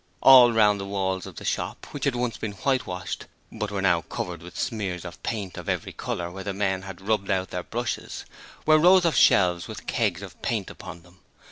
All round the walls of the shop which had once been whitewashed, but were now covered with smears of paint of every colour where the men had 'rubbed out' their brushes were rows of shelves with kegs of paint upon them.